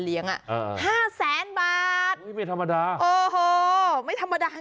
นี่คือเทคนิคการขาย